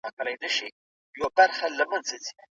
ما په مېلمستون کې له یو زاړه ملګري سره ولیدل.